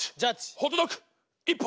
ホットドッグ１本。